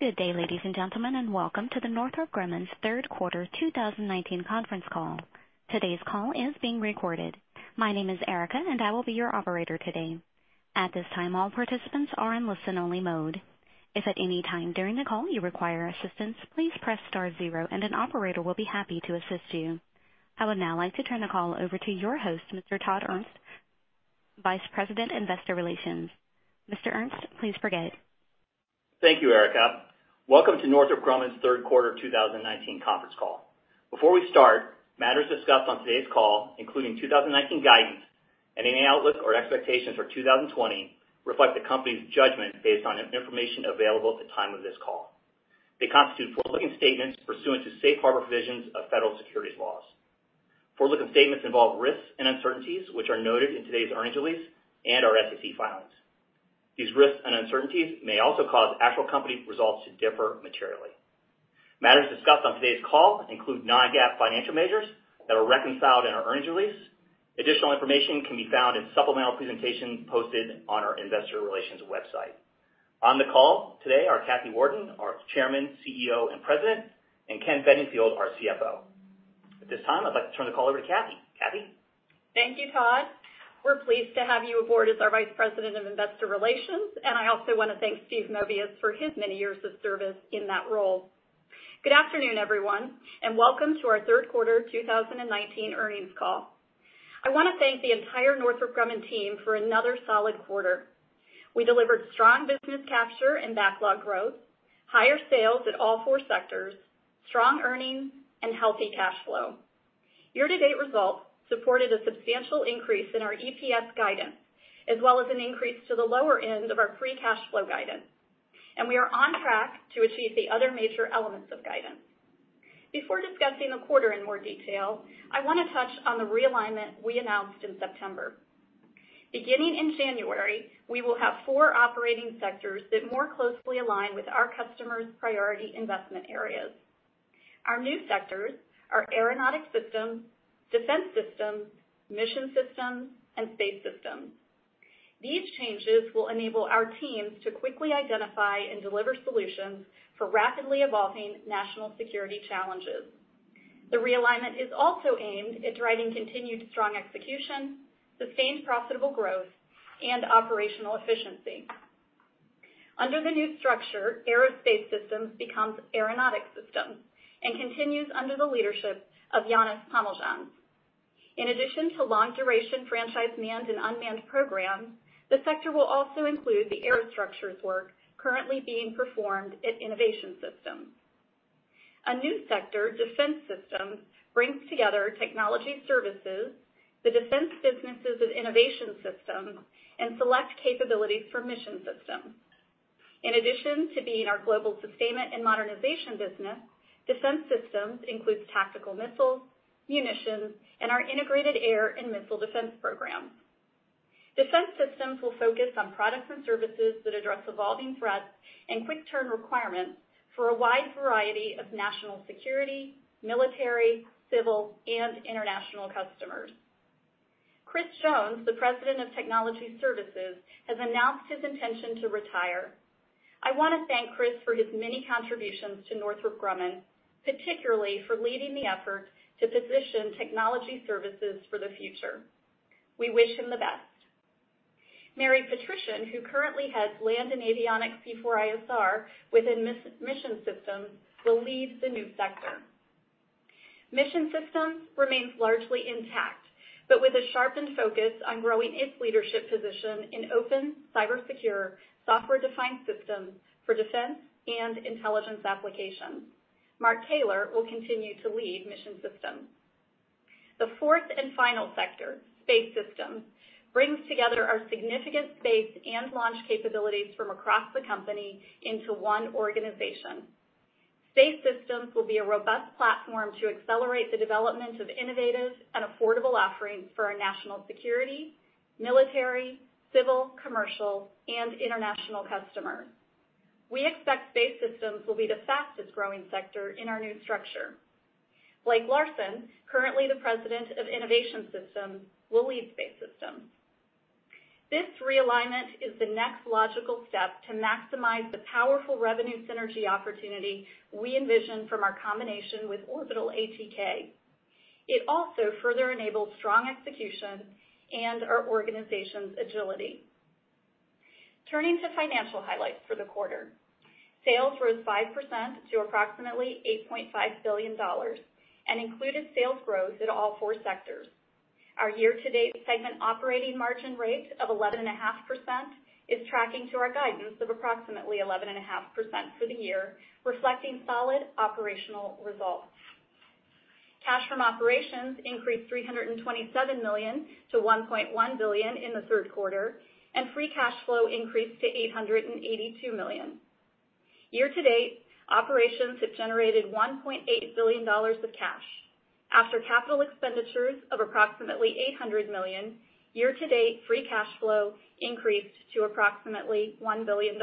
Good day, ladies and gentlemen, and welcome to the Northrop Grumman's third quarter 2019 conference call. Today's call is being recorded. My name is Erica, and I will be your operator today. At this time, all participants are in listen-only mode. If at any time during the call you require assistance, please press star zero and an operator will be happy to assist you. I would now like to turn the call over to your host, Mr. Todd Ernst, Vice President, Investor Relations. Mr. Ernst, please begin. Thank you, Erica. Welcome to Northrop Grumman's third quarter 2019 conference call. Before we start, matters discussed on today's call, including 2019 guidance and any outlook or expectations for 2020, reflect the company's judgment based on information available at the time of this call. They constitute forward-looking statements pursuant to safe harbor provisions of federal securities laws. Forward-looking statements involve risks and uncertainties, which are noted in today's earnings release and our SEC filings. These risks and uncertainties may also cause actual company results to differ materially. Matters discussed on today's call include non-GAAP financial measures that are reconciled in our earnings release. Additional information can be found in supplemental presentations posted on our investor relations website. On the call today are Kathy Warden, our chairman, CEO, and president, and Ken Bedingfield, our CFO. At this time, I'd like to turn the call over to Kathy. Kathy? Thank you, Todd. We're pleased to have you aboard as our Vice President of Investor Relations. I also want to thank Steve Movius for his many years of service in that role. Good afternoon, everyone. Welcome to our third quarter 2019 earnings call. I want to thank the entire Northrop Grumman team for another solid quarter. We delivered strong business capture and backlog growth, higher sales at all four sectors, strong earnings, and healthy cash flow. Year-to-date results supported a substantial increase in our EPS guidance, as well as an increase to the lower end of the free cash flow guidance. We are on track to achieve the other major elements of guidance. Before discussing the quarter in more detail, I want to touch on the realignment we announced in September. Beginning in January, we will have four operating sectors that more closely align with our customers' priority investment areas. Our new sectors are Aeronautics Systems, Defense Systems, Mission Systems, and Space Systems. These changes will enable our teams to quickly identify and deliver solutions for rapidly evolving national security challenges. The realignment is also aimed at driving continued strong execution, sustained profitable growth, and operational efficiency. Under the new structure, Aerospace Systems becomes Aeronautics Systems and continues under the leadership of Janis Pamiljans. In addition to long-duration franchise manned and unmanned programs, the sector will also include the aerostructures work currently being performed at Innovation Systems. A new sector, Defense Systems, brings together Technology Services, the defense businesses of Innovation Systems, and select capabilities for Mission Systems. In addition to being our global sustainment and modernization business, Defense Systems includes tactical missiles, munitions, and our integrated air and missile defense programs. Defense Systems will focus on products and services that address evolving threats and quick turn requirements for a wide variety of national security, military, civil, and international customers. Chris Jones, the President of Technology Services, has announced his intention to retire. I want to thank Chris for his many contributions to Northrop Grumman, particularly for leading the effort to position Technology Services for the future. We wish him the best. Mary Petryszyn, who currently heads land and avionics C4ISR within Mission Systems, will lead the new sector. Mission Systems remains largely intact, but with a sharpened focus on growing its leadership position in open, cybersecure, software-defined systems for defense and intelligence applications. Mark Caylor will continue to lead Mission Systems. The fourth and final sector, Space Systems, brings together our significant space and launch capabilities from across the company into one organization. Space Systems will be a robust platform to accelerate the development of innovative and affordable offerings for our national security, military, civil, commercial, and international customers. We expect Space Systems will be the fastest-growing sector in our new structure. Blake Larson, currently the President of Innovation Systems, will lead Space Systems. This realignment is the next logical step to maximize the powerful revenue synergy opportunity we envision from our combination with Orbital ATK. It also further enables strong execution and our organization's agility. Turning to financial highlights for the quarter. Sales rose 5% to approximately $8.5 billion and included sales growth at all four sectors. Our year-to-date segment operating margin rate of 11.5% is tracking to our guidance of approximately 11.5% for the year, reflecting solid operational results. Cash from operations increased $327 million to $1.1 billion in the third quarter, and free cash flow increased to $882 million. Year to date, operations have generated $1.8 billion of cash. After capital expenditures of approximately $800 million, year to date free cash flow increased to approximately $1 billion.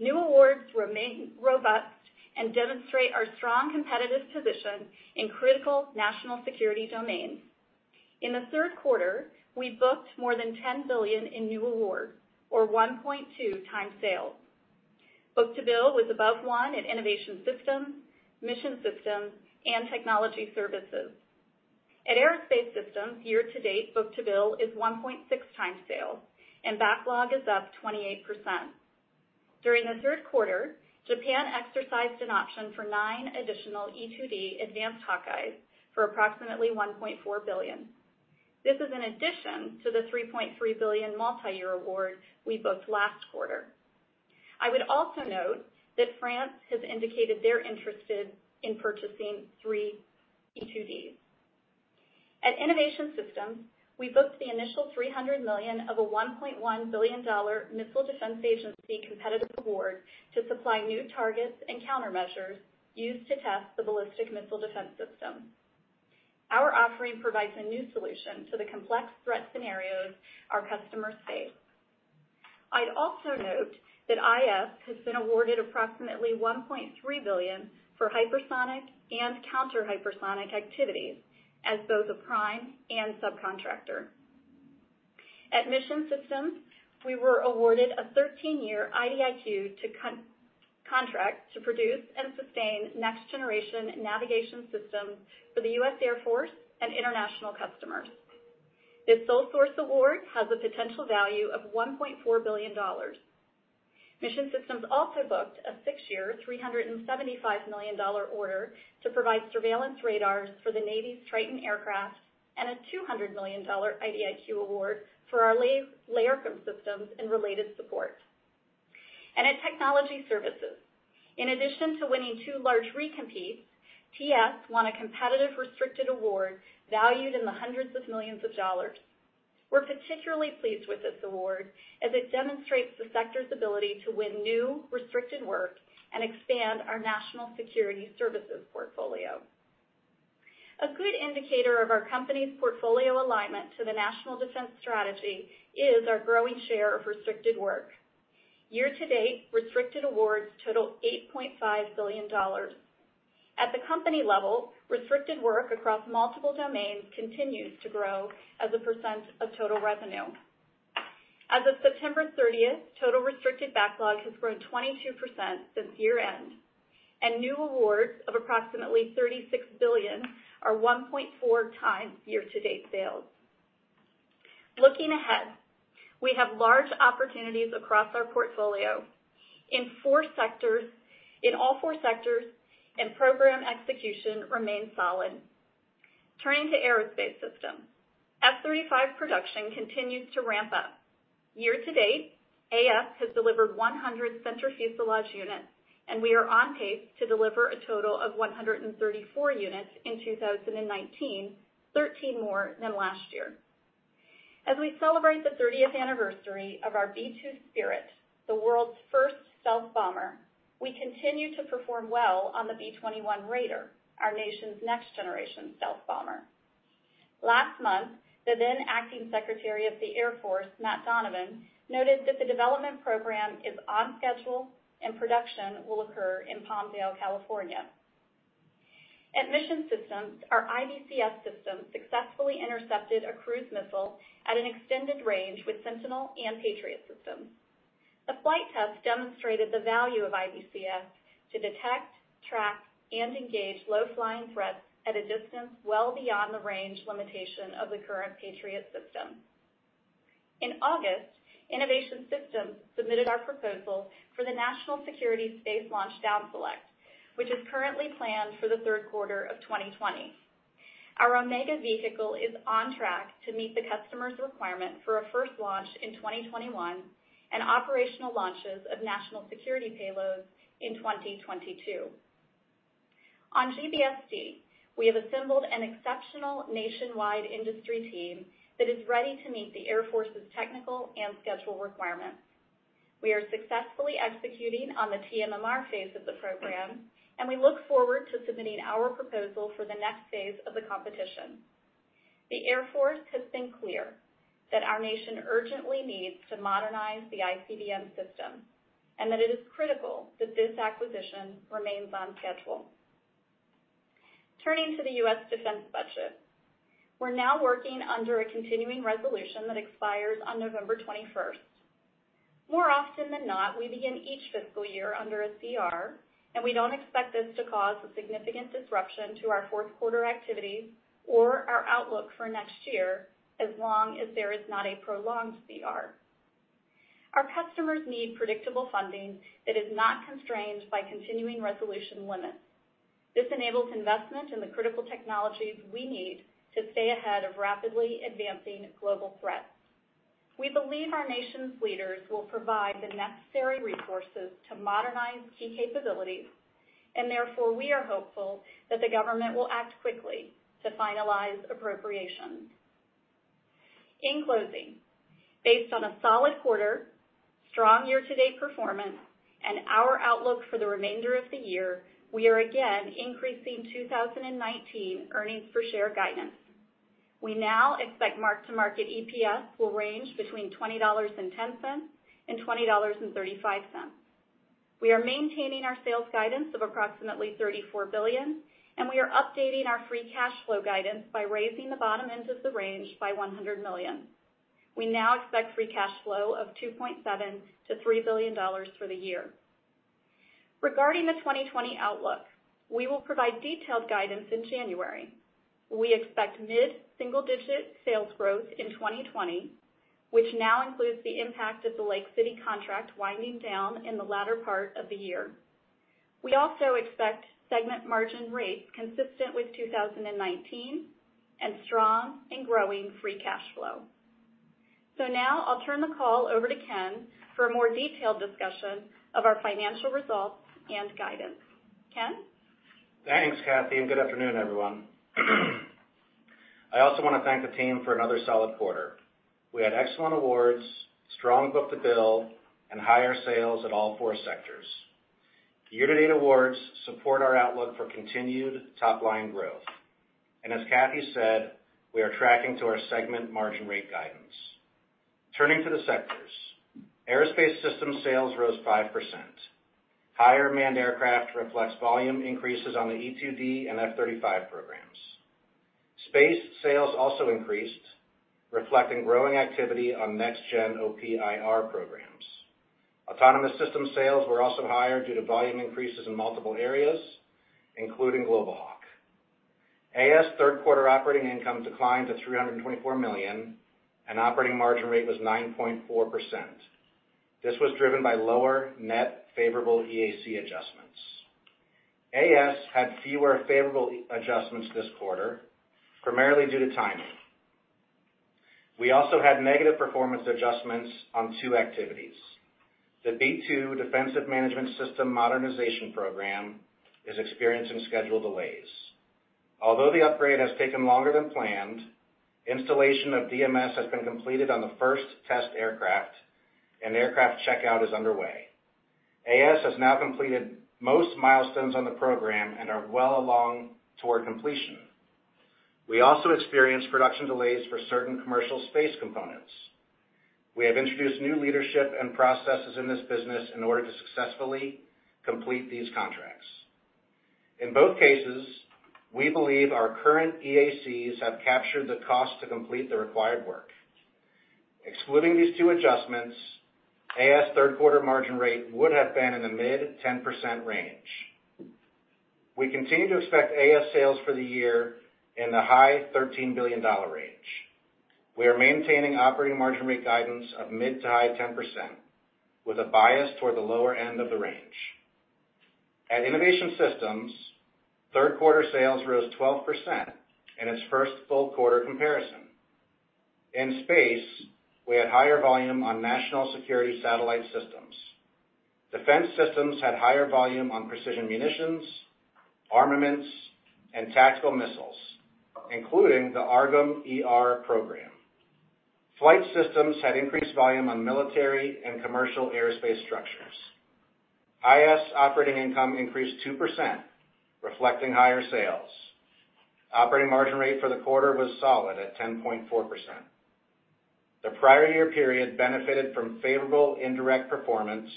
New awards remain robust and demonstrate our strong competitive position in critical national security domains. In the third quarter, we booked more than $10 billion in new awards or 1.2 times sales. Book-to-bill was above one at Innovation Systems, Mission Systems, and Technology Services. At Aerospace Systems, year-to-date book-to-bill is 1.6 times sales and backlog is up 28%. During the third quarter, Japan exercised an option for nine additional E-2D Advanced Hawkeyes for approximately $1.4 billion. This is in addition to the $3.3 billion multi-year award we booked last quarter. I would also note that France has indicated they're interested in purchasing three E-2Ds. At Innovation Systems, we booked the initial $300 million of a $1.1 billion Missile Defense Agency competitive award to supply new targets and countermeasures used to test the Ballistic Missile Defense System. Our offering provides a new solution to the complex threat scenarios our customers face. I'd also note that IS has been awarded approximately $1.3 billion for hypersonic and counter-hypersonic activities as both a prime and subcontractor. At Mission Systems, we were awarded a 13-year IDIQ contract to produce and sustain next-generation navigation systems for the U.S. Air Force and international customers. This sole source award has a potential value of $1.4 billion. Mission Systems also booked a six-year, $375 million order to provide surveillance radars for the Navy's Triton aircraft and a $200 million IDIQ award for our Layered Systems and related support. At Technology Services, in addition to winning two large recompetes, TS won a competitive restricted award valued in the hundreds of millions of dollars. We're particularly pleased with this award as it demonstrates the sector's ability to win new restricted work and expand our national security services portfolio. A good indicator of our company's portfolio alignment to the National Defense Strategy is our growing share of restricted work. Year-to-date, restricted awards total $8.5 billion. At the company level, restricted work across multiple domains continues to grow as a % of total revenue. As of September 30th, total restricted backlog has grown 22% since year-end, and new awards of approximately $36 billion are 1.4 times year-to-date sales. Looking ahead, we have large opportunities across our portfolio in all four sectors and program execution remains solid. Turning to Aerospace Systems. F-35 production continues to ramp up. Year-to-date, AS has delivered 100 center fuselage units, and we are on pace to deliver a total of 134 units in 2019, 13 more than last year. As we celebrate the 30th anniversary of our B-2 Spirit, the world's first stealth bomber, we continue to perform well on the B-21 Raider, our nation's next-generation stealth bomber. Last month, the then acting Secretary of the Air Force, Matt Donovan, noted that the development program is on schedule and production will occur in Palmdale, California. At Mission Systems, our IBCS system successfully intercepted a cruise missile at an extended range with Sentinel and Patriot systems. The flight test demonstrated the value of IBCS to detect, track, and engage low-flying threats at a distance well beyond the range limitation of the current Patriot system. In August, Innovation Systems submitted our proposal for the National Security Space Launch down select, which is currently planned for the third quarter of 2020. Our OmegA vehicle is on track to meet the customer's requirement for a first launch in 2021 and operational launches of national security payloads in 2022. On GBSD, we have assembled an exceptional nationwide industry team that is ready to meet the Air Force's technical and schedule requirements. We are successfully executing on the TMRR phase of the program. We look forward to submitting our proposal for the next phase of the competition. The Air Force has been clear that our nation urgently needs to modernize the ICBM system. It is critical that this acquisition remains on schedule. Turning to the U.S. defense budget. We're now working under a continuing resolution that expires on November 21st. More often than not, we begin each fiscal year under a CR, and we don't expect this to cause a significant disruption to our fourth quarter activities or our outlook for next year, as long as there is not a prolonged CR. Our customers need predictable funding that is not constrained by continuing resolution limits. This enables investment in the critical technologies we need to stay ahead of rapidly advancing global threats. We believe our nation's leaders will provide the necessary resources to modernize key capabilities, and therefore, we are hopeful that the government will act quickly to finalize appropriations. In closing, based on a solid quarter, strong year-to-date performance, and our outlook for the remainder of the year, we are again increasing 2019 earnings per share guidance. We now expect mark-to-market EPS will range between $20.10 and $20.35. We are maintaining our sales guidance of approximately $34 billion. We are updating our free cash flow guidance by raising the bottom end of the range by $100 million. We now expect free cash flow of $2.7 to $3 billion for the year. Regarding the 2020 outlook, we will provide detailed guidance in January. We expect mid-single-digit sales growth in 2020, which now includes the impact of the Lake City contract winding down in the latter part of the year. We also expect segment margin rates consistent with 2019 and strong and growing free cash flow. Now I'll turn the call over to Ken for a more detailed discussion of our financial results and guidance. Ken? Thanks, Kathy, and good afternoon, everyone. I also want to thank the team for another solid quarter. We had excellent awards, strong book-to-bill, and higher sales at all four sectors. Year-to-date awards support our outlook for continued top-line growth. As Kathy said, we are tracking to our segment margin rate guidance. Turning to the sectors. Aerospace Systems sales rose 5%. Higher manned aircraft reflects volume increases on the E-2D and F-35 programs. Space sales also increased, reflecting growing activity on next-gen OPIR programs. Autonomous system sales were also higher due to volume increases in multiple areas, including Global Hawk. AS third quarter operating income declined to $324 million, and operating margin rate was 9.4%. This was driven by lower net favorable EAC adjustments. AS had fewer favorable adjustments this quarter, primarily due to timing. We also had negative performance adjustments on two activities. The B-2 Defensive Management System Modernization program is experiencing schedule delays. Although the upgrade has taken longer than planned, installation of DMS has been completed on the first test aircraft, and aircraft checkout is underway. AS has now completed most milestones on the program and are well along toward completion. We also experienced production delays for certain commercial space components. We have introduced new leadership and processes in this business in order to successfully complete these contracts. In both cases, we believe our current EACs have captured the cost to complete the required work. Excluding these two adjustments, AS third quarter margin rate would have been in the mid 10% range. We continue to expect AS sales for the year in the high $13 billion range. We are maintaining operating margin rate guidance of mid to high 10% with a bias toward the lower end of the range. At Innovation Systems, third quarter sales rose 12% in its first full quarter comparison. In space, we had higher volume on national security satellite systems. Defense systems had higher volume on precision munitions, armaments, and tactical missiles, including the AARGM-ER program. Flight systems had increased volume on military and commercial aerospace structures. IS operating income increased 2%, reflecting higher sales. Operating margin rate for the quarter was solid at 10.4%. The prior year period benefited from favorable indirect performance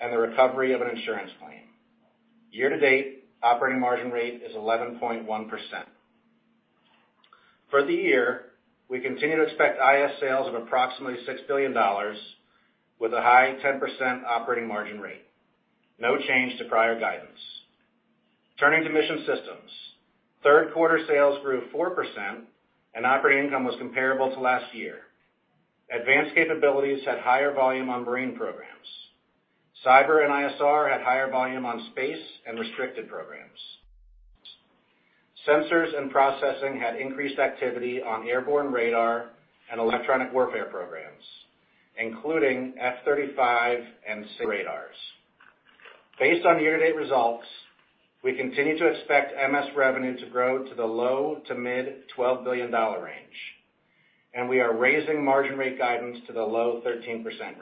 and the recovery of an insurance claim. Year to date, operating margin rate is 11.1%. For the year, we continue to expect IS sales of approximately $6 billion with a high 10% operating margin rate. No change to prior guidance. Turning to Mission Systems. Third quarter sales grew 4%, and operating income was comparable to last year. Advanced capabilities had higher volume on marine programs. Cyber and ISR had higher volume on space and restricted programs. Sensors and processing had increased activity on airborne radar and electronic warfare programs, including F-35 and radars. Based on year-to-date results, we continue to expect MS revenue to grow to the low to mid $12 billion range, and we are raising margin rate guidance to the low 13% range.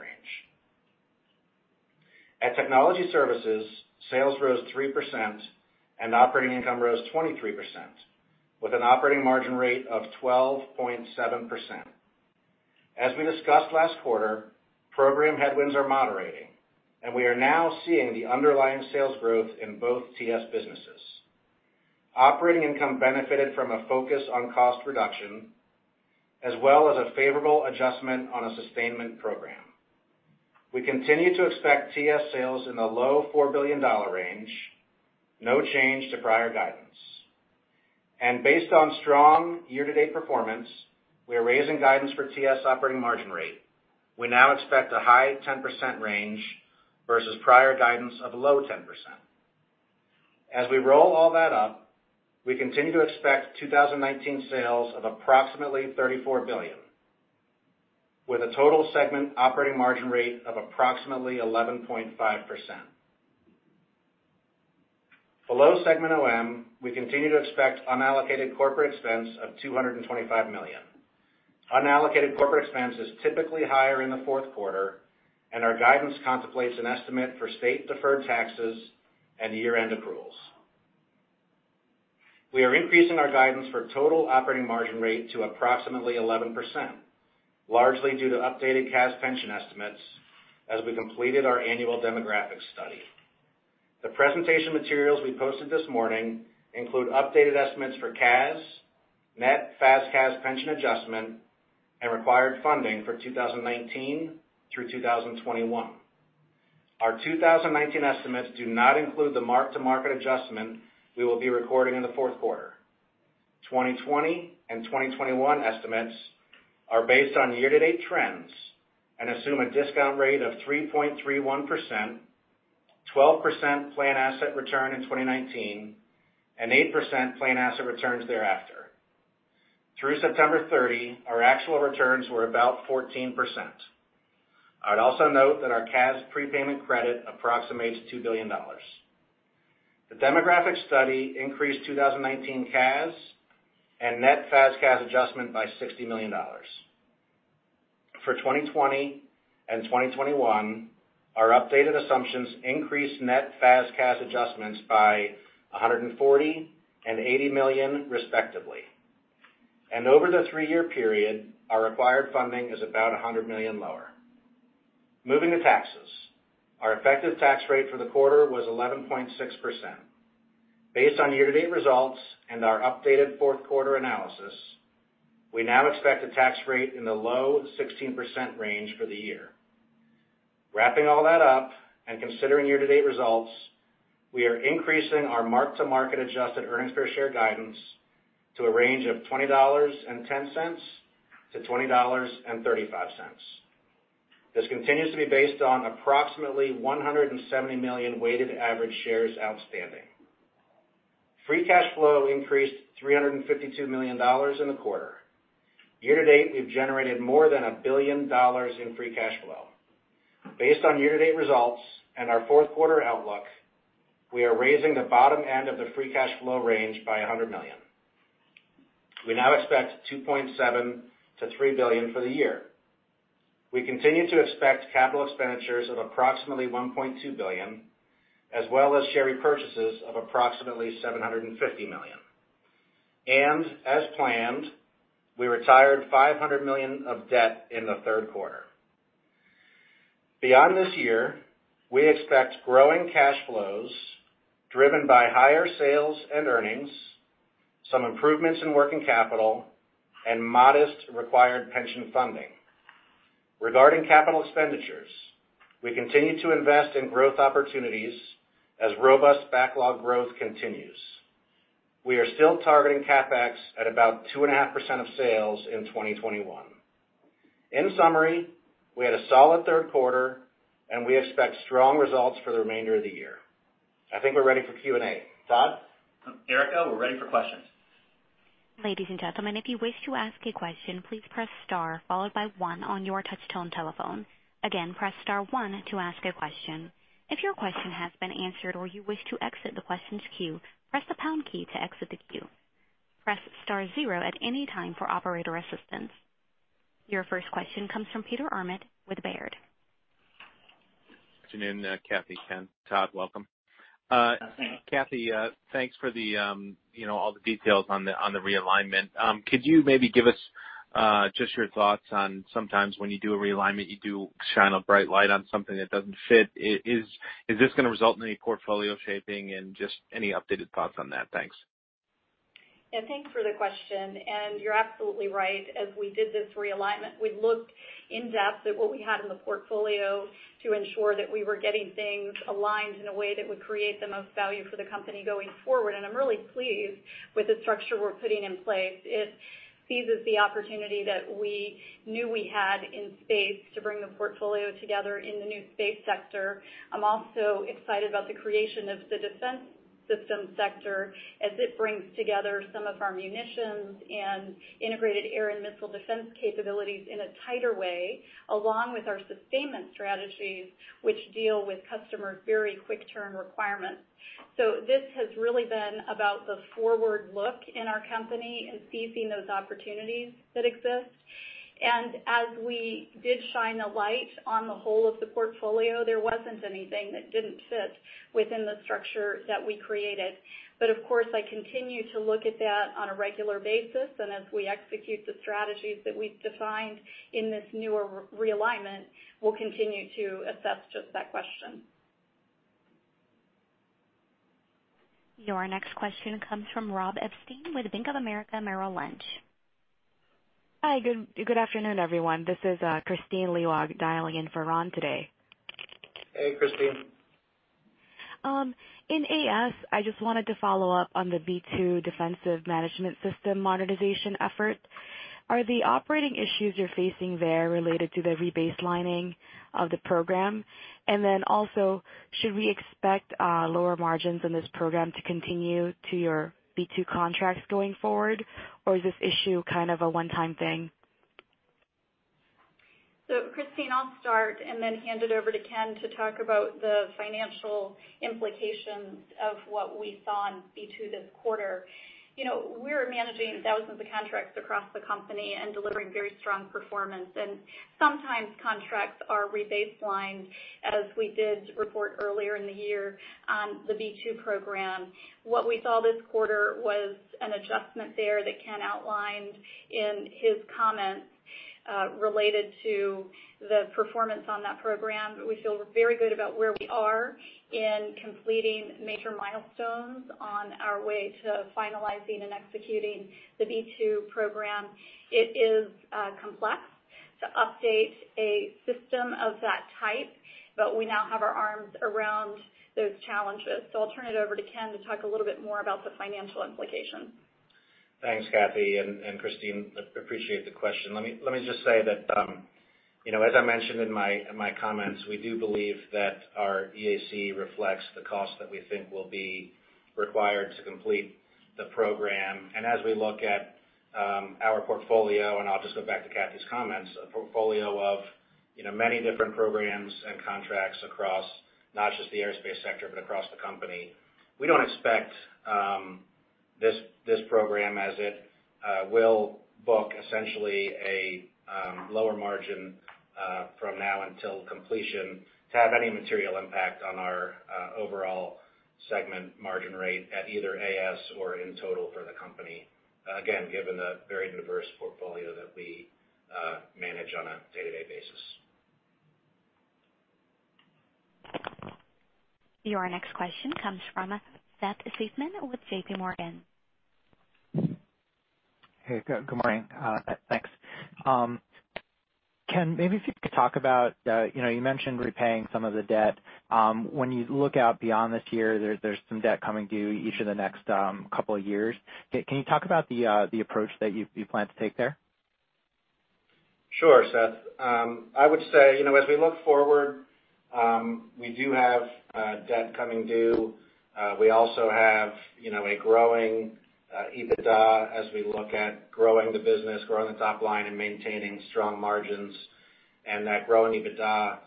At Technology Services, sales rose 3%, and operating income rose 23%, with an operating margin rate of 12.7%. As we discussed last quarter, program headwinds are moderating, and we are now seeing the underlying sales growth in both TS businesses. Operating income benefited from a focus on cost reduction, as well as a favorable adjustment on a sustainment program. We continue to expect TS sales in the low $4 billion range. No change to prior guidance. Based on strong year-to-date performance, we are raising guidance for TS operating margin rate. We now expect a high 10% range versus prior guidance of low 10%. As we roll all that up, we continue to expect 2019 sales of approximately $34 billion with a total segment operating margin rate of approximately 11.5%. Below segment OM, we continue to expect unallocated corporate expense of $225 million. Unallocated corporate expense is typically higher in the fourth quarter, and our guidance contemplates an estimate for state deferred taxes and year-end accruals. We are increasing our guidance for total operating margin rate to approximately 11%, largely due to updated CAS pension estimates as we completed our annual demographic study. The presentation materials we posted this morning include updated estimates for CAS, net FAS/CAS pension adjustment, and required funding for 2019 through 2021. Our 2019 estimates do not include the mark-to-market adjustment we will be recording in the fourth quarter. 2020 and 2021 estimates are based on year-to-date trends and assume a discount rate of 3.31%, 12% plan asset return in 2019, and 8% plan asset returns thereafter. Through September 30, our actual returns were about 14%. I'd also note that our CAS prepayment credit approximates $2 billion. The demographic study increased 2019 CAS and net FAS CAS adjustment by $60 million. For 2020 and 2021, our updated assumptions increased net FAS CAS adjustments by $140 million and $80 million respectively, and over the three-year period, our required funding is about $100 million lower. Moving to taxes. Our effective tax rate for the quarter was 11.6%. Based on year-to-date results and our updated fourth quarter analysis, we now expect a tax rate in the low 16% range for the year. Wrapping all that up considering year-to-date results, we are increasing our mark-to-market adjusted earnings per share guidance to a range of $20.10 to $20.35. This continues to be based on approximately 170 million weighted average shares outstanding. Free cash flow increased $352 million in the quarter. Year-to-date, we've generated more than $1 billion in free cash flow. Based on year-to-date results and our fourth quarter outlook, we are raising the bottom end of the free cash flow range by $100 million. We now expect $2.7 billion-$3 billion for the year. We continue to expect capital expenditures of approximately $1.2 billion, as well as share repurchases of approximately $750 million. As planned, we retired $500 million of debt in the third quarter. Beyond this year, we expect growing cash flows driven by higher sales and earnings, some improvements in working capital, and modest required pension funding. Regarding capital expenditures, we continue to invest in growth opportunities as robust backlog growth continues. We are still targeting CapEx at about 2.5% of sales in 2021. In summary, we had a solid third quarter, and we expect strong results for the remainder of the year. I think we're ready for Q&A. Todd? Erica, we're ready for questions. Ladies and gentlemen, if you wish to ask a question, please press star followed by one on your touch tone telephone. Again, press star one to ask a question. If your question has been answered or you wish to exit the questions queue, press the pound key to exit the queue. Press star zero at any time for operator assistance. Your first question comes from Peter Arment with Baird. Good afternoon, Kathy, Ken, Todd. Welcome. Thanks. Kathy, thanks for all the details on the realignment. Could you maybe give us just your thoughts on sometimes when you do a realignment, you do shine a bright light on something that doesn't fit. Is this going to result in any portfolio shaping? Just any updated thoughts on that. Thanks. Thanks for the question, and you're absolutely right. As we did this realignment, we looked in depth at what we had in the portfolio to ensure that we were getting things aligned in a way that would create the most value for the company going forward, and I'm really pleased with the structure we're putting in place. It seizes the opportunity that we knew we had in space to bring the portfolio together in the new Space Systems. I'm also excited about the creation of the Defense Systems, as it brings together some of our munitions and integrated air and missile defense capabilities in a tighter way, along with our sustainment strategies, which deal with customers' very quick term requirements. This has really been about the forward look in our company and seizing those opportunities that exist. As we did shine a light on the whole of the portfolio, there wasn't anything that didn't fit within the structure that we created. Of course, I continue to look at that on a regular basis. As we execute the strategies that we've defined in this newer realignment, we'll continue to assess just that question. Your next question comes from Ron Epstein with Bank of America Merrill Lynch. Hi, good afternoon, everyone. This is Kristine Liwag dialing in for Ron today. Hey, Kristine. In AS, I just wanted to follow up on the B-2 Defensive Management System Modernization effort. Are the operating issues you're facing there related to the rebaselining of the program? Also, should we expect lower margins in this program to continue to your B-2 contracts going forward, or is this issue kind of a one-time thing? Kristine, I'll start and then hand it over to Ken to talk about the financial implications of what we saw in B-2 this quarter. We're managing thousands of contracts across the company and delivering very strong performance, and sometimes contracts are rebaselined, as we did report earlier in the year on the B-2 program. What we saw this quarter was an adjustment there that Ken outlined in his comments. Related to the performance on that program. We feel very good about where we are in completing major milestones on our way to finalizing and executing the B-2 program. It is complex to update a system of that type, but we now have our arms around those challenges. I'll turn it over to Ken to talk a little more about the financial implications. Thanks, Kathy and Kristine. Appreciate the question. Let me just say that, as I mentioned in my comments, we do believe that our EAC reflects the cost that we think will be required to complete the program. As we look at our portfolio, and I'll just go back to Kathy's comments, a portfolio of many different programs and contracts across not just the aerospace sector, but across the company. We don't expect this program, as it will book essentially a lower margin from now until completion, to have any material impact on our overall segment margin rate at either AS or in total for the company. Again, given the very diverse portfolio that we manage on a day-to-day basis. Your next question comes from Seth Seifman with JPMorgan. Hey. Good morning. Thanks. Ken, maybe if you could talk about, you mentioned repaying some of the debt. When you look out beyond this year, there's some debt coming due each of the next couple of years. Can you talk about the approach that you plan to take there? Sure, Seth. I would say, as we look forward, we do have debt coming due. We also have a growing EBITDA as we look at growing the business, growing the top line, and maintaining strong margins. That growing EBITDA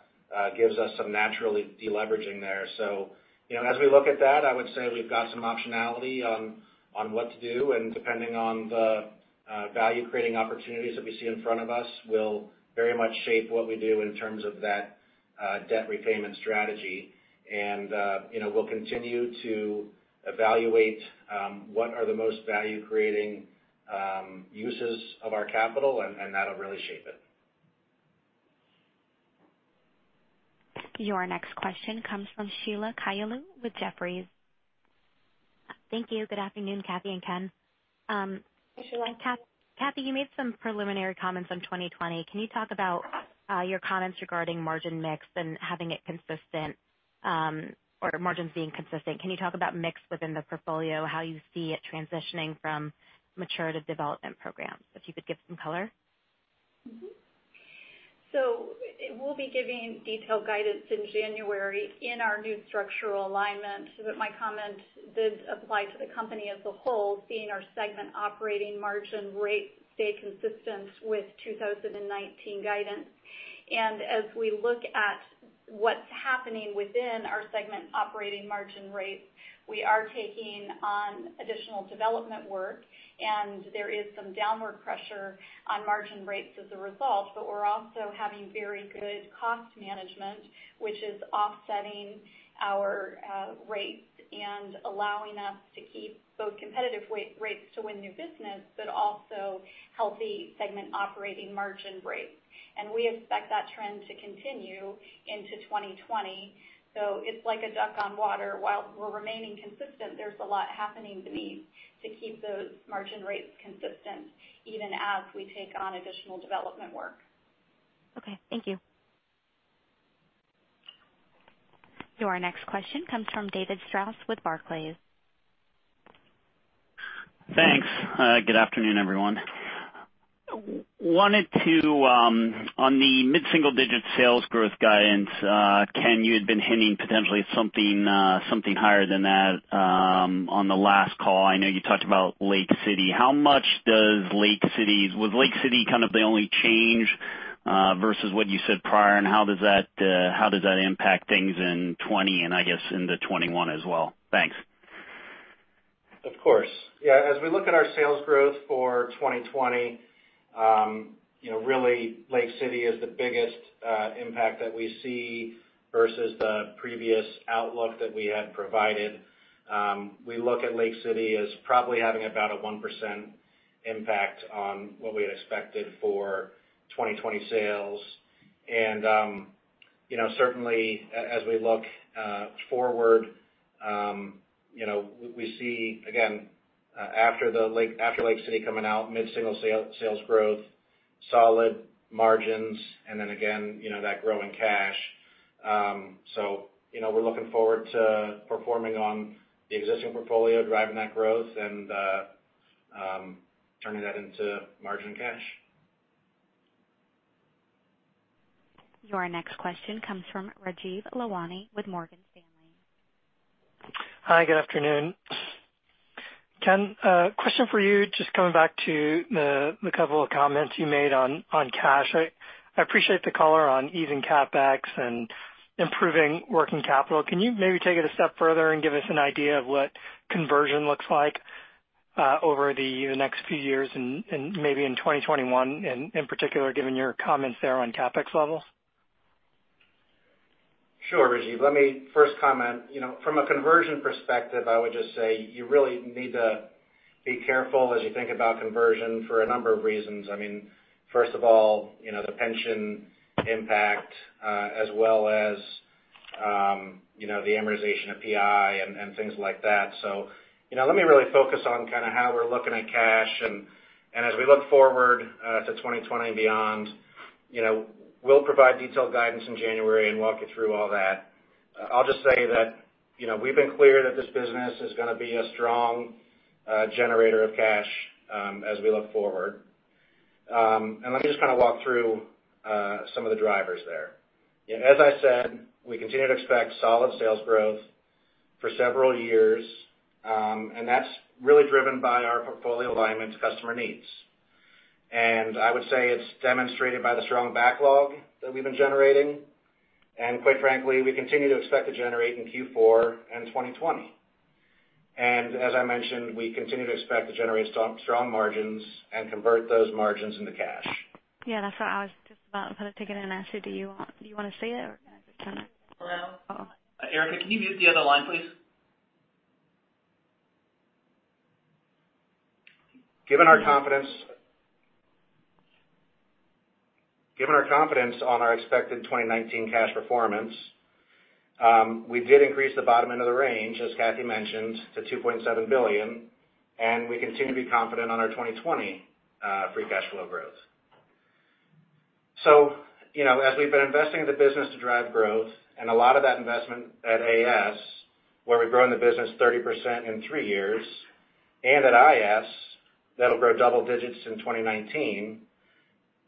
gives us some naturally de-leveraging there. As we look at that, I would say we've got some optionality on what to do, and depending on the value-creating opportunities that we see in front of us will very much shape what we do in terms of that debt repayment strategy. We'll continue to evaluate what are the most value-creating uses of our capital, and that'll really shape it. Your next question comes from Sheila Kahyaoglu with Jefferies. Thank you. Good afternoon, Kathy and Ken. Hey, Sheila. Kathy, you made some preliminary comments on 2020. Can you talk about your comments regarding margin mix and having it consistent or margins being consistent? Can you talk about mix within the portfolio, how you see it transitioning from mature to development programs? If you could give some color. We'll be giving detailed guidance in January in our new structural alignment. My comment did apply to the company as a whole, seeing our segment operating margin rate stay consistent with 2019 guidance. As we look at what's happening within our segment operating margin rates, we are taking on additional development work, and there is some downward pressure on margin rates as a result. We're also having very good cost management, which is offsetting our rates and allowing us to keep both competitive rates to win new business, but also healthy segment operating margin rates. We expect that trend to continue into 2020. It's like a duck on water. While we're remaining consistent, there's a lot happening beneath to keep those margin rates consistent, even as we take on additional development work. Okay. Thank you. Your next question comes from David Strauss with Barclays. Thanks. Good afternoon, everyone. On the mid-single-digit sales growth guidance, Ken, you had been hinting potentially at something higher than that on the last call. I know you talked about Lake City. Was Lake City kind of the only change versus what you said prior, and how does that impact things in 2020, and I guess into 2021 as well? Thanks. Of course. As we look at our sales growth for 2020, really Lake City is the biggest impact that we see versus the previous outlook that we had provided. We look at Lake City as probably having about a 1% impact on what we had expected for 2020 sales. Certainly, as we look forward, we see, again, after Lake City coming out mid-single sales growth, solid margins, and then again, that growing cash. We're looking forward to performing on the existing portfolio, driving that growth, and turning that into margin cash. Your next question comes from Rajeev Lalwani with Morgan Stanley. Hi, good afternoon. Ken, question for you. Just coming back to the couple of comments you made on cash. I appreciate the color on easing CapEx and improving working capital. Can you maybe take it a step further and give us an idea of what conversion looks like over the next few years and maybe in 2021, in particular, given your comments there on CapEx levels? Sure, Rajeev. Let me first comment. From a conversion perspective, I would just say you really need to be careful as you think about conversion for a number of reasons. First of all, the pension impact, as well as the amortization of PI and things like that. Let me really focus on how we're looking at cash and as we look forward to 2020 and beyond. We'll provide detailed guidance in January and walk you through all that. I'll just say that we've been clear that this business is going to be a strong generator of cash as we look forward. Let me just walk through some of the drivers there. As I said, we continue to expect solid sales growth for several years, and that's really driven by our portfolio alignment to customer needs. I would say it's demonstrated by the strong backlog that we've been generating, and quite frankly, we continue to expect to generate in Q4 and 2020. As I mentioned, we continue to expect to generate strong margins and convert those margins into cash. Yeah, that's what I was just about to take it and ask you, do you want to say it or can I just turn it? Erica, can you mute the other line, please? Given our confidence on our expected 2019 cash performance, we did increase the bottom end of the range, as Kathy mentioned, to $2.7 billion. We continue to be confident on our 2020 free cash flow growth. As we've been investing in the business to drive growth, a lot of that investment at AS, where we've grown the business 30% in three years, and at IS, that'll grow double digits in 2019.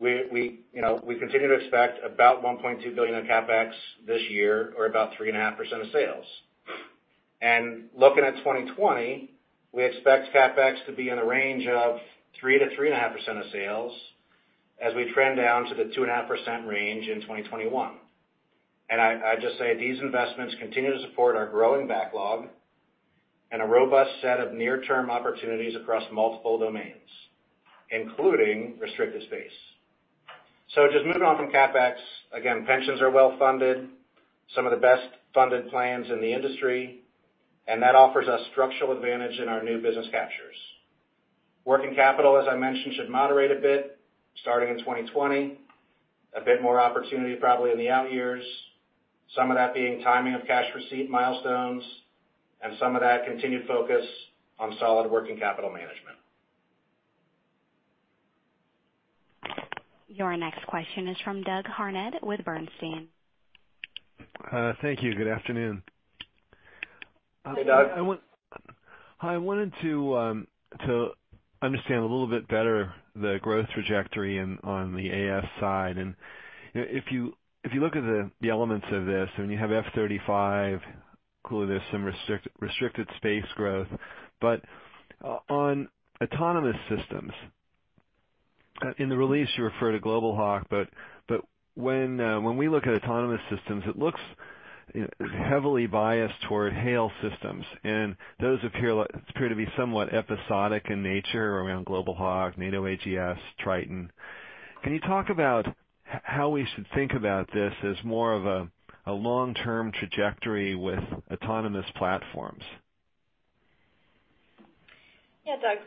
We continue to expect about $1.2 billion of CapEx this year or about 3.5% of sales. Looking at 2020, we expect CapEx to be in the range of 3%-3.5% of sales as we trend down to the 2.5% range in 2021. I'd just say these investments continue to support our growing backlog and a robust set of near-term opportunities across multiple domains, including restricted space. Just moving on from CapEx, again, pensions are well-funded, some of the best-funded plans in the industry, and that offers us structural advantage in our new business captures. Working capital, as I mentioned, should moderate a bit starting in 2020. A bit more opportunity probably in the out years. Some of that being timing of cash receipt milestones and some of that continued focus on solid working capital management. Your next question is from Doug Harned with Bernstein. Thank you. Good afternoon. Hey, Doug. Hi. I wanted to understand a little bit better the growth trajectory on the AS side. If you look at the elements of this and you have F-35, clearly there's some restricted space growth. On autonomous systems, in the release you refer to Global Hawk, but when we look at autonomous systems, it looks heavily biased toward HALE systems, and those appear to be somewhat episodic in nature around Global Hawk, Nanoedge, Triton. Can you talk about how we should think about this as more of a long-term trajectory with autonomous platforms? Yeah, Doug.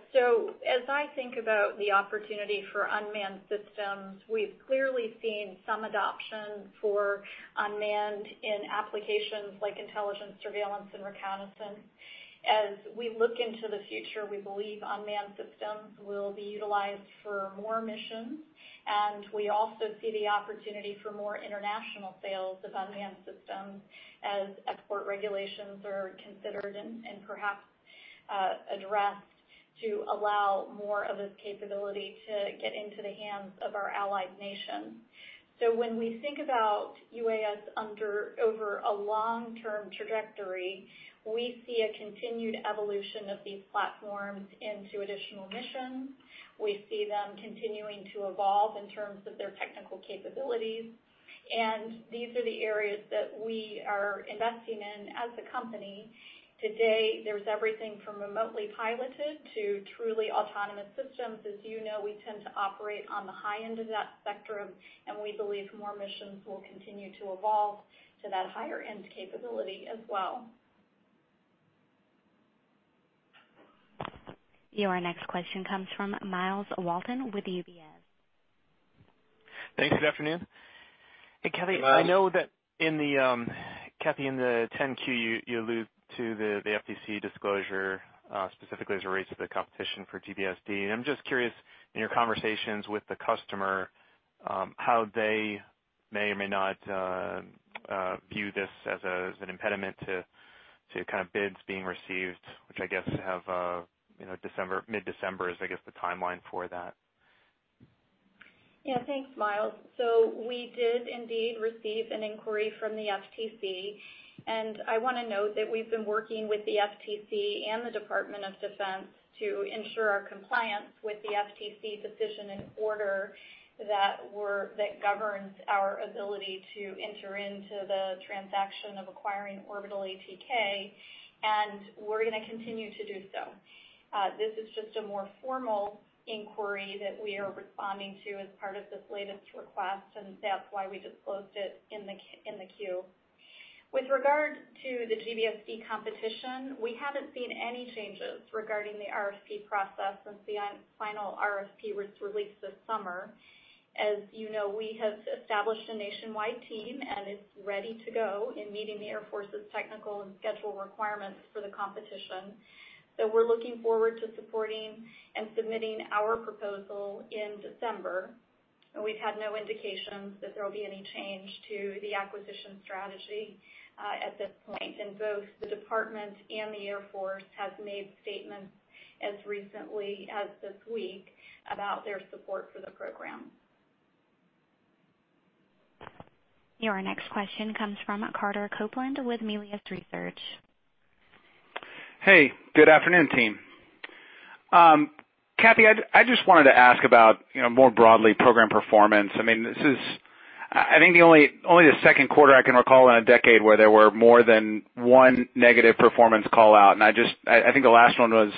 As I think about the opportunity for unmanned systems, we've clearly seen some adoption for unmanned in applications like intelligence, surveillance, and reconnaissance. As we look into the future, we believe unmanned systems will be utilized for more missions, and we also see the opportunity for more international sales of unmanned systems as export regulations are considered and perhaps addressed to allow more of this capability to get into the hands of our allied nations. When we think about UAS over a long-term trajectory, we see a continued evolution of these platforms into additional missions. We see them continuing to evolve in terms of their technical capabilities, and these are the areas that we are investing in as a company. Today, there's everything from remotely piloted to truly autonomous systems. As you know, we tend to operate on the high end of that spectrum, and we believe more missions will continue to evolve to that higher-end capability as well. Your next question comes from Myles Walton with UBS. Thanks. Good afternoon. Hey, Kathy. I know that in the 10-Q, you allude to the FTC disclosure, specifically as it relates to the competition for GBSD. I'm just curious, in your conversations with the customer, how they may or may not view this as an impediment to kind of bids being received, which I guess mid-December is the timeline for that. Thanks, Myles. We did indeed receive an inquiry from the FTC, and I want to note that we've been working with the FTC and the Department of Defense to ensure our compliance with the FTC's decision and order that governs our ability to enter into the transaction of acquiring Orbital ATK, and we're going to continue to do so. This is just a more formal inquiry that we are responding to as part of this latest request, and that's why we disclosed it in the 10-Q. With regard to the GBSD competition, we haven't seen any changes regarding the RFP process since the final RFP was released this summer. As you know, we have established a nationwide team, and it's ready to go in meeting the U.S. Air Force's technical and schedule requirements for the competition. We're looking forward to supporting and submitting our proposal in December. We've had no indications that there'll be any change to the acquisition strategy, at this point. Both the department and the Air Force have made statements as recently as this week about their support for the program. Your next question comes from Carter Copeland with Melius Research. Hey, good afternoon, team. Kathy, I just wanted to ask about more broadly program performance. This is, I think, only the second quarter I can recall in a decade where there were more than one negative performance call-out, and I think the last one was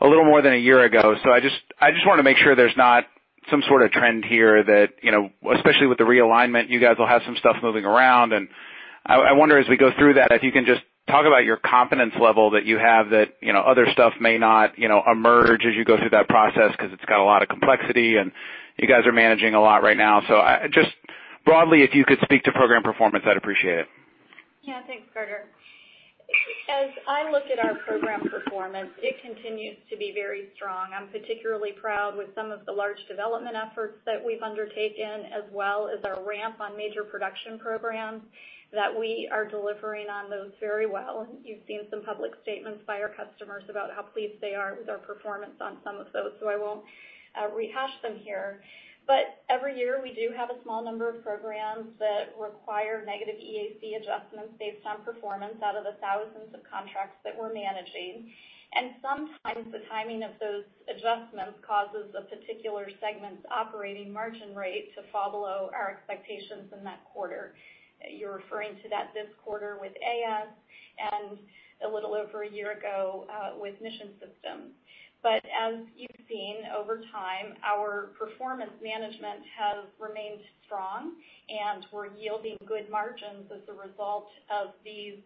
a little more than a year ago. I just want to make sure there's not some sort of trend here that, especially with the realignment, you guys will have some stuff moving around. I wonder as we go through that, if you can just talk about your confidence level that you have that other stuff may not emerge as you go through that process, because it's got a lot of complexity, and you guys are managing a lot right now. Just broadly, if you could speak to program performance, I'd appreciate it. Yeah. Thanks, Carter. As I look at our program performance, it continues to be very strong. I'm particularly proud with some of the large development efforts that we've undertaken, as well as our ramp on major production programs, that we are delivering on those very well. You've seen some public statements by our customers about how pleased they are with our performance on some of those. I won't rehash them here. Every year, we do have a small number of programs that require negative EAC adjustments based on performance out of the thousands of contracts that we're managing. Sometimes the timing of those adjustments causes a particular segment's operating margin rate to fall below our expectations in that quarter. You're referring to that this quarter with AS and a little over a year ago, with Mission Systems. As you've seen over time, our performance management has remained strong, and we're yielding good margins as a result of these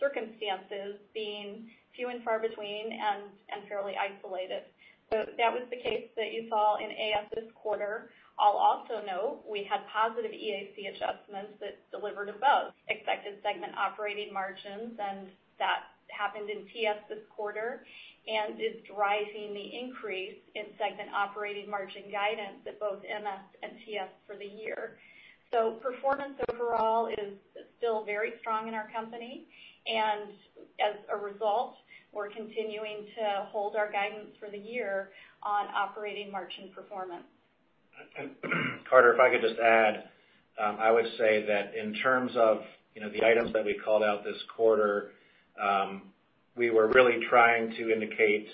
circumstances being few and far between and fairly isolated. That was the case that you saw in AS this quarter. I'll also note we had positive EAC adjustments that delivered above expected segment operating margins, and that happened in TS this quarter and is driving the increase in segment operating margin guidance at both MS and TS for the year. Performance overall is still very strong in our company, and as a result, we're continuing to hold our guidance for the year on operating margin performance. Carter, if I could just add, I would say that in terms of the items that we called out this quarter, we were really trying to indicate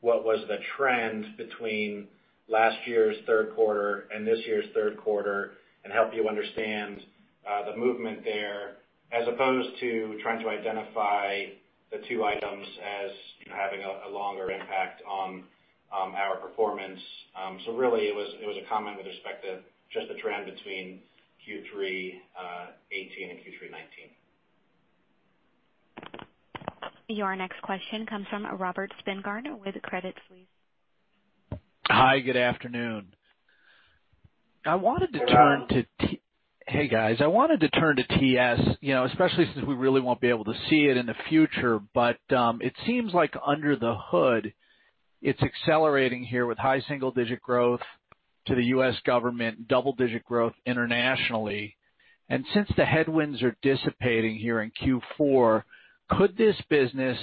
what was the trend between last year's third quarter and this year's third quarter and help you understand the movement there as opposed to trying to identify the two items as having a longer impact on our performance. Really, it was a comment with respect to just the trend between Q3 2018 and Q3 2019. Your next question comes from Robert Spingarn with Credit Suisse. Hi, good afternoon. Hey, guys. I wanted to turn to TS, especially since we really won't be able to see it in the future, but it seems like under the hood, it's accelerating here with high single-digit growth to the U.S. government, double-digit growth internationally. Since the headwinds are dissipating here in Q4, could this business,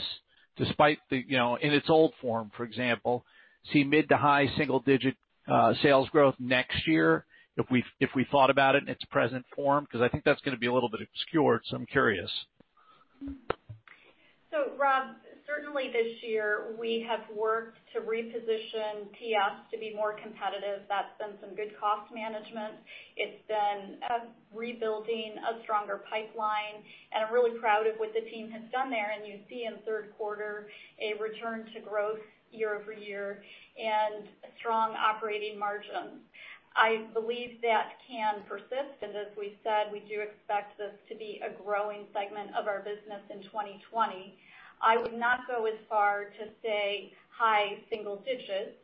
in its old form, for example, see mid to high single-digit sales growth next year if we thought about it in its present form? Because I think that's going to be a little bit obscured, so I'm curious. Rob, certainly this year we have worked to reposition TS to be more competitive. That's been some good cost management. It's been rebuilding a stronger pipeline, and I'm really proud of what the team has done there. You see in the third quarter a return to growth year-over-year and strong operating margins. I believe that can persist, and as we've said, we do expect this to be a growing segment of our business in 2020. I would not go as far to say high single digits.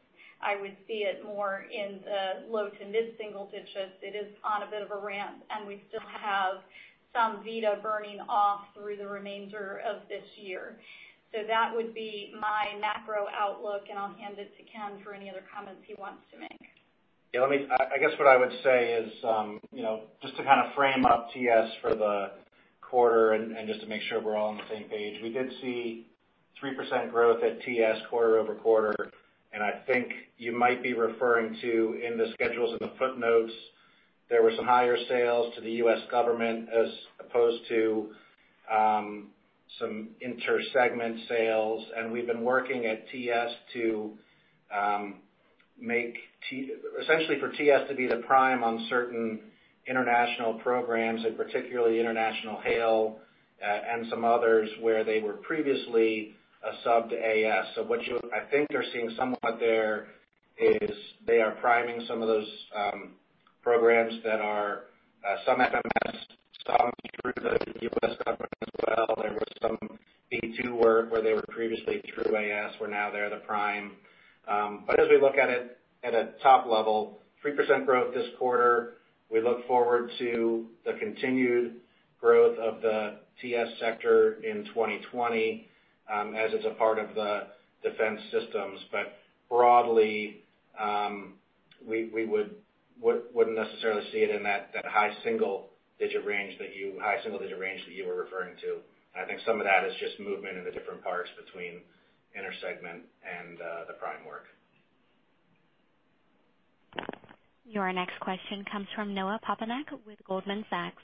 I would see it more in the low to mid-single digits. It is on a bit of a ramp, and we still have some VITA burning off through the remainder of this year. That would be my macro outlook, and I'll hand it to Ken for any other comments he wants to make. I guess what I would say is, just to kind of frame up TS for the quarter and just to make sure we're all on the same page, we did see 3% growth at TS quarter-over-quarter. I think you might be referring to in the schedules in the footnotes, there were some higher sales to the U.S. government as opposed to some inter-segment sales. We've been working at TS to, essentially for TS to be the prime on certain international programs and particularly international HALE and some others where they were previously a sub to AS. I think you're seeing somewhat there is they are priming some of those programs that are some FMS, some through the U.S. government as well. There was some B-2 work where they were previously through AS, where now they're the prime. As we look at it at a top level, 3% growth this quarter, we look forward to the continued growth of the TS sector in 2020, as it's a part of the Defense Systems. Broadly, we wouldn't necessarily see it in that high single-digit range that you were referring to. I think some of that is just movement in the different parts between intersegment and the prime work. Your next question comes from Noah Poponak with Goldman Sachs.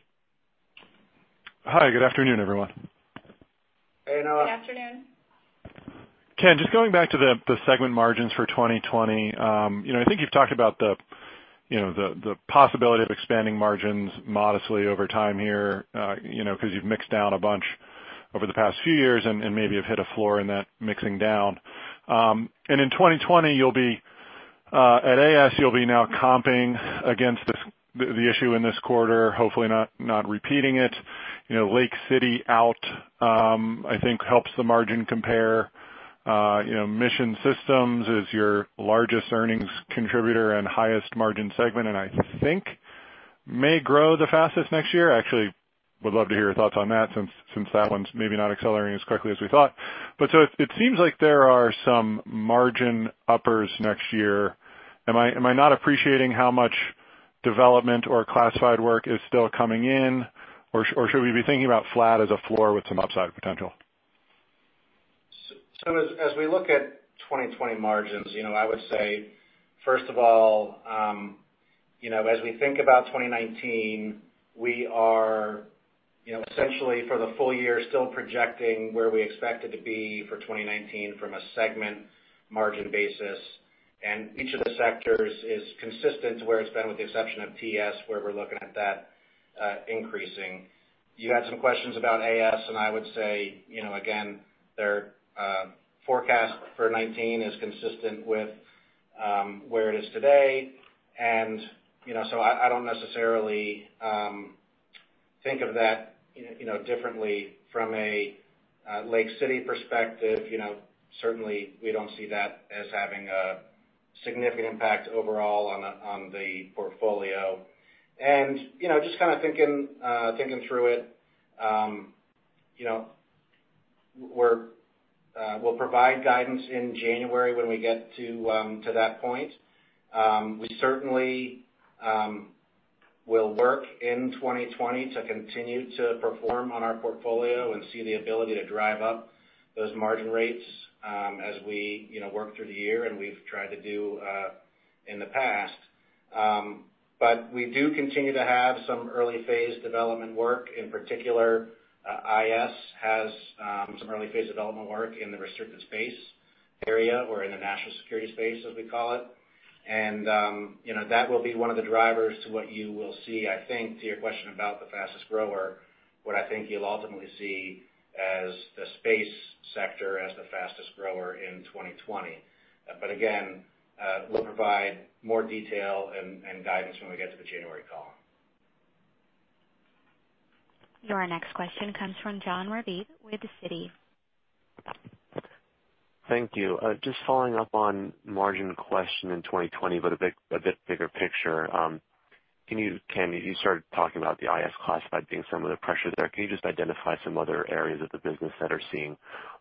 Hi. Good afternoon, everyone. Hey, Noah. Good afternoon. Ken, just going back to the segment margins for 2020. I think you've talked about the possibility of expanding margins modestly over time here, because you've mixed down a bunch over the past few years and maybe have hit a floor in that mixing down. In 2020, at AS, you'll be now comping against the issue in this quarter, hopefully not repeating it. Lake City out, I think helps the margin compare. Mission Systems is your largest earnings contributor and highest margin segment, and I think may grow the fastest next year. Actually, would love to hear your thoughts on that, since that one's maybe not accelerating as quickly as we thought. It seems like there are some margin uppers next year. Am I not appreciating how much development or classified work is still coming in, or should we be thinking about flat as a floor with some upside potential? As we look at 2020 margins, I would say, first of all, as we think about 2019, we are essentially for the full year, still projecting where we expect it to be for 2019 from a segment margin basis. Each of the sectors is consistent to where it's been, with the exception of TS, where we're looking at that increasing. You had some questions about AS, I would say, again, their forecast for '19 is consistent with where it is today. I don't necessarily think of that differently from a Lake City perspective. Certainly, we don't see that as having a significant impact overall on the portfolio. Just kind of thinking through it, we'll provide guidance in January when we get to that point. We certainly will work in 2020 to continue to perform on our portfolio and see the ability to drive up those margin rates, as we work through the year and we've tried to do in the past. We do continue to have some early-phase development work. In particular, IS has some early-phase development work in the restricted space area or in the national security space, as we call it. That will be one of the drivers to what you will see, I think, to your question about the fastest grower, what I think you'll ultimately see as the Space sector as the fastest grower in 2020. Again, we'll provide more detail and guidance when we get to the January call. Your next question comes from Jon Raviv with Citi. Thank you. Just following up on margin question in 2020, but a bit bigger picture. Ken, you started talking about the IS classified being some of the pressure there. Can you just identify some other areas of the business that are seeing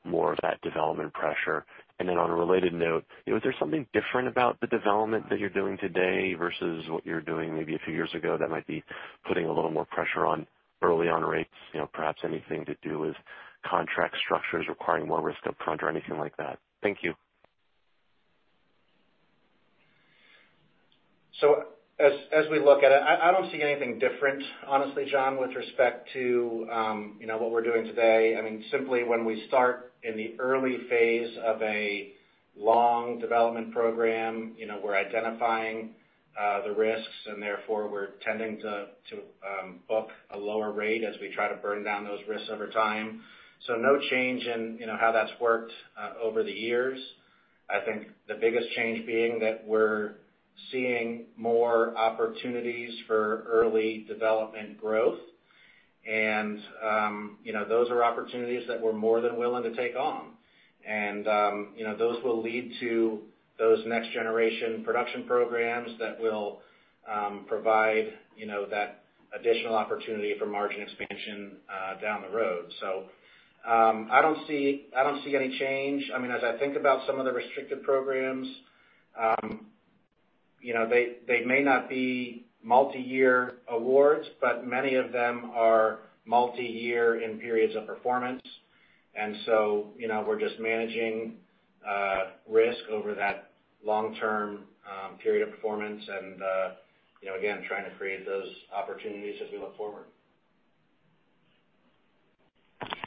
more of that development pressure? On a related note, is there something different about the development that you're doing today versus what you were doing maybe a few years ago that might be putting a little more pressure on early on rates? Perhaps anything to do with contract structures requiring more risk up front or anything like that? Thank you. As we look at it, I don't see anything different, honestly, Jon, with respect to what we're doing today. Simply when we start in the early phase of a long development program, we're identifying the risks and therefore we're tending to book a lower rate as we try to burn down those risks over time. No change in how that's worked over the years. I think the biggest change being that we're seeing more opportunities for early development growth, and those are opportunities that we're more than willing to take on. Those will lead to those next generation production programs that will provide that additional opportunity for margin expansion down the road. I don't see any change. As I think about some of the restricted programs, they may not be multi-year awards, but many of them are multi-year in periods of performance. We're just managing risk over that long-term period of performance and, again, trying to create those opportunities as we look forward.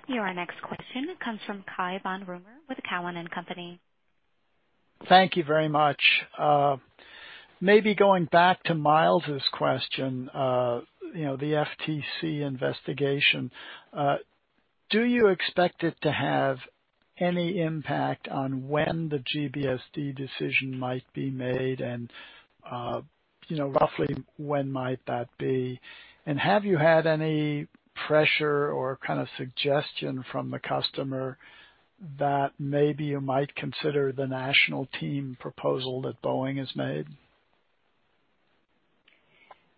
Your next question comes from Cai von Rumohr with Cowen and Company. Thank you very much. Maybe going back to Myles's question, the FTC investigation. Do you expect it to have any impact on when the GBSD decision might be made, and roughly when might that be? Have you had any pressure or kind of suggestion from the customer that maybe you might consider the national team proposal that Boeing has made?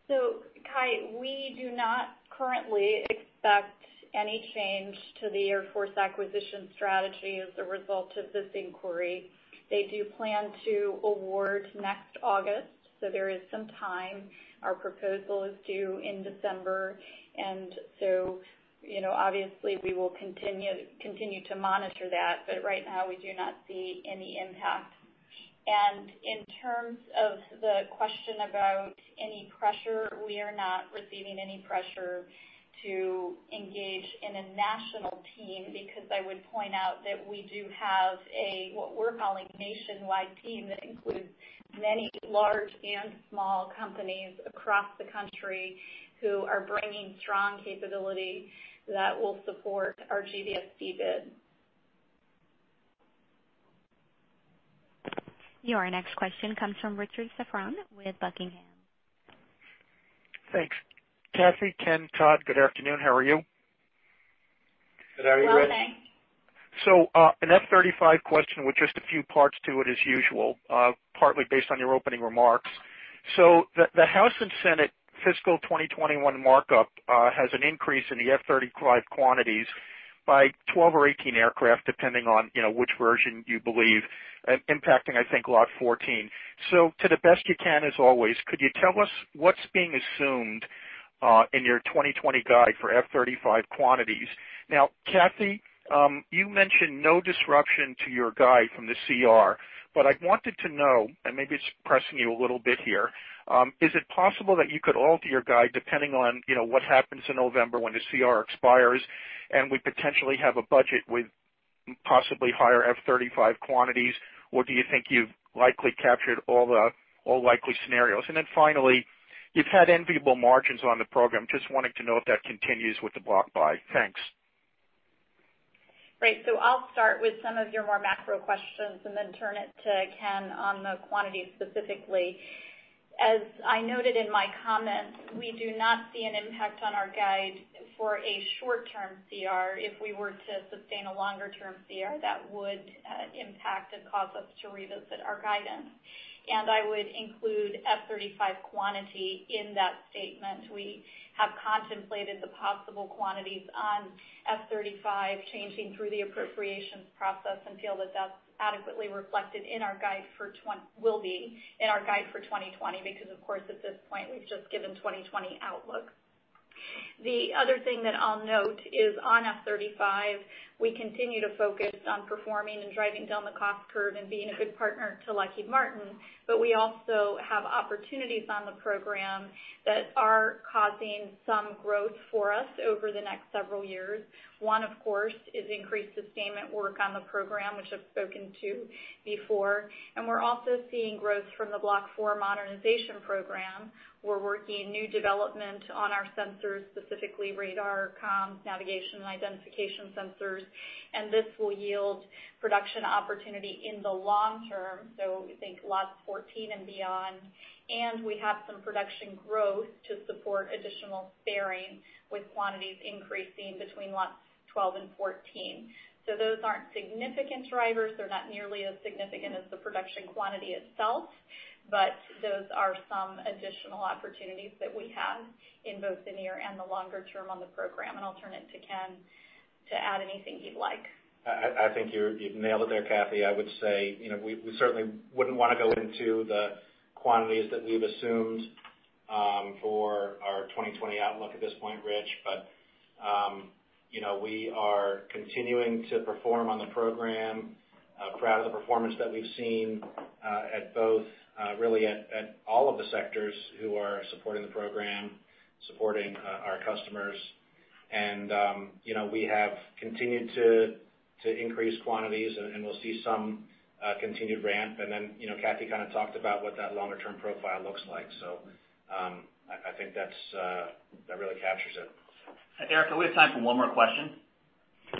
Cai, we do not currently expect any change to the Air Force acquisition strategy as a result of this inquiry. They do plan to award next August, there is some time. Our proposal is due in December, obviously we will continue to monitor that. Right now, we do not see any impact. In terms of the question about any pressure, we are not receiving any pressure to engage in a national team, because I would point out that we do have a, what we're calling nationwide team that includes many large and small companies across the country who are bringing strong capability that will support our GBSD bid. Your next question comes from Richard Safran with Buckingham. Thanks. Kathy, Ken, Todd, good afternoon. How are you? Good. How are you, Rich? Well, thanks. An F-35 question with just a few parts to it as usual, partly based on your opening remarks. The House and Senate fiscal 2021 markup has an increase in the F-35 quantities by 12 or 18 aircraft, depending on which version you believe, impacting, I think, lot 14. To the best you can, as always, could you tell us what's being assumed in your 2020 guide for F-35 quantities? Kathy, you mentioned no disruption to your guide from the CR, but I wanted to know, and maybe it's pressing you a little bit here, is it possible that you could alter your guide depending on what happens in November when the CR expires and we potentially have a budget with possibly higher F-35 quantities? Do you think you've likely captured all likely scenarios? Finally, you've had enviable margins on the program. Just wanted to know if that continues with the block buy. Thanks. Right. I'll start with some of your more macro questions and then turn it to Ken on the quantities specifically. As I noted in my comments, we do not see an impact on our guide for a short-term CR. If we were to sustain a longer-term CR, that would impact and cause us to revisit our guidance, and I would include F-35 quantity in that statement. We have contemplated the possible quantities on F-35 changing through the appropriations process and feel that that's adequately reflected, will be, in our guide for 2020, because of course, at this point, we've just given 2020 outlook. The other thing that I'll note is on F-35, we continue to focus on performing and driving down the cost curve and being a good partner to Lockheed Martin. We also have opportunities on the program that are causing some growth for us over the next several years. One, of course, is increased sustainment work on the program, which I've spoken to before, and we're also seeing growth from the Block 4 modernization program. We're working new development on our sensors, specifically radar, comms, navigation, and identification sensors, and this will yield production opportunity in the long term. We think lots 14 and beyond. We have some production growth to support additional sparing with quantities increasing between lots 12 and 14. Those aren't significant drivers. They're not nearly as significant as the production quantity itself. Those are some additional opportunities that we have in both the near and the longer term on the program. I'll turn it to Ken to add anything he'd like. I think you've nailed it there, Kathy. I would say we certainly wouldn't want to go into the quantities that we've assumed for our 2020 outlook at this point, Rich. We are continuing to perform on the program, proud of the performance that we've seen at both, really, at all of the sectors who are supporting the program, supporting our customers. We have continued to increase quantities, and we'll see some continued ramp. Kathy kind of talked about what that longer term profile looks like. I think that really captures it. Erica, we have time for one more question.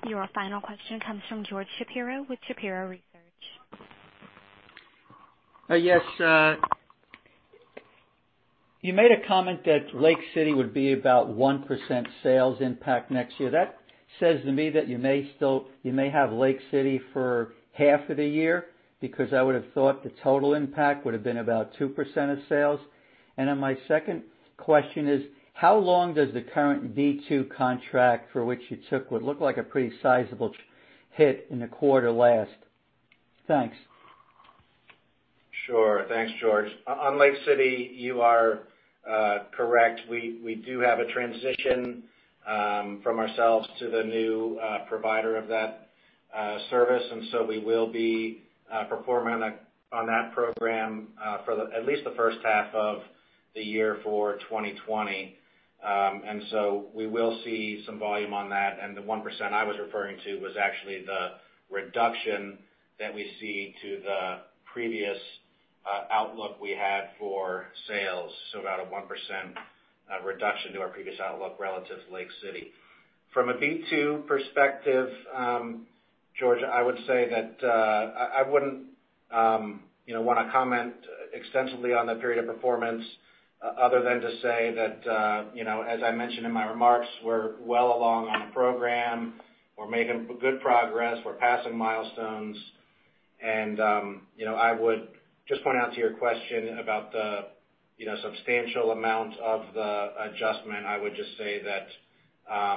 Your final question comes from George Shapiro with Shapiro Research. Yes. You made a comment that Lake City would be about 1% sales impact next year. That says to me that you may have Lake City for half of the year, because I would have thought the total impact would have been about 2% of sales. My second question is, how long does the current B-2 contract for which you took what looked like a pretty sizable hit in the quarter last? Thanks. Sure. Thanks, George. On Lake City, you are correct. We do have a transition from ourselves to the new provider of that service, and so we will be performing on that program for at least the first half of the year for 2020. We will see some volume on that. The 1% I was referring to was actually the reduction that we see to the previous outlook we had for sales. About a 1% reduction to our previous outlook relative to Lake City. From a B-2 perspective, George, I wouldn't want to comment extensively on the period of performance other than to say that, as I mentioned in my remarks, we're well along on the program. We're making good progress. We're passing milestones. I would just point out to your question about the substantial amount of the adjustment. I would just say that,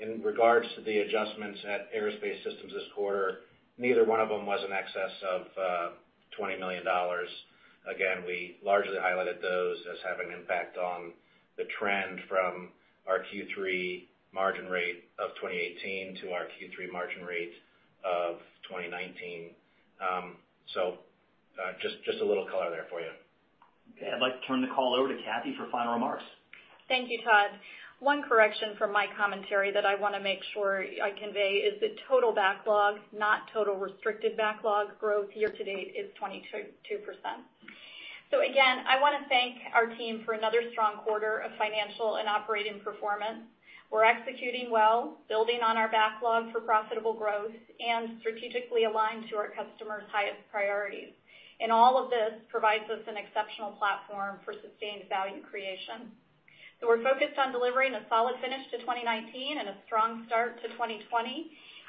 in regards to the adjustments at Aerospace Systems this quarter, neither one of them was in excess of $20 million. Again, we largely highlighted those as having impact on the trend from our Q3 margin rate of 2018 to our Q3 margin rate of 2019. Just a little color there for you. Okay. I'd like to turn the call over to Kathy for final remarks. Thank you, Todd. One correction from my commentary that I want to make sure I convey is the total backlog, not total restricted backlog growth year to date is 22%. Again, I want to thank our team for another strong quarter of financial and operating performance. We're executing well, building on our backlog for profitable growth and strategically aligned to our customers' highest priorities. All of this provides us an exceptional platform for sustained value creation. We're focused on delivering a solid finish to 2019 and a strong start to 2020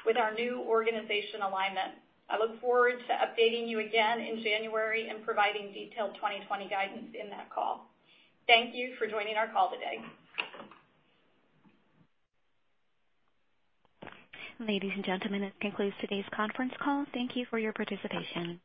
with our new organization alignment. I look forward to updating you again in January and providing detailed 2020 guidance in that call. Thank you for joining our call today. Ladies and gentlemen, that concludes today's conference call. Thank you for your participation.